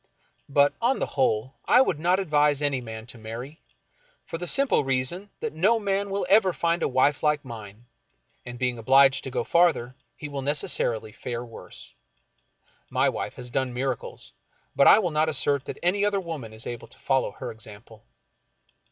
But, on the whole, I would not advise any man to marry, for the simple reason that no man will ever find a wife like mine, and being obliged to go farther, he will necessarily fare worse. My wife has done miracles, but I will not assert that any other woman is able to follow her example.